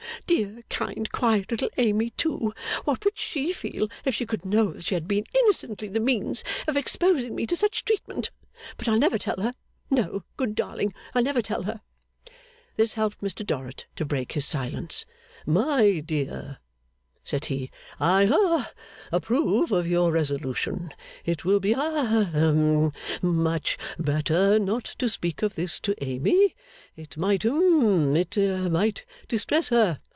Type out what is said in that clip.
Dear, kind, quiet little Amy, too, what would she feel if she could know that she had been innocently the means of exposing me to such treatment! But I'll never tell her! No, good darling, I'll never tell her!' This helped Mr Dorrit to break his silence. 'My dear,' said he, 'I ha approve of your resolution. It will be ha hum much better not to speak of this to Amy. It might hum it might distress her.